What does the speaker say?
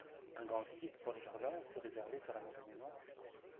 Un grand site pour les jardins fut réservé sur la montagne Noire.